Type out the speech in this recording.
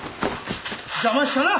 邪魔したな！